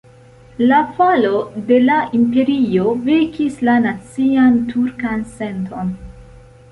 La falo de la imperio vekis la nacian turkan senton.